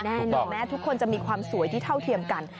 แน่นอนแม้ทุกคนจะมีความสวยที่เท่าเทียมกัน